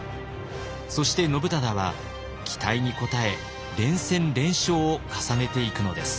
そして信忠は期待に応え連戦連勝を重ねていくのです。